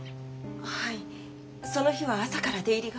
はいその日は朝から出入りが。